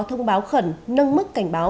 thông báo khẩn nâng mức cảnh báo